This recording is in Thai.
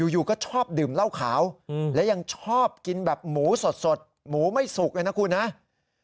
อยู่ก็ชอบดื่มเหล้าขาวและยังชอบกินแบบหมูสดหมูไม่สุกเลยนะคุณนะ